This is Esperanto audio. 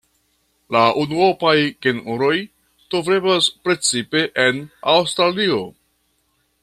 La unuopaj genroj troveblas precipe en Aŭstralio.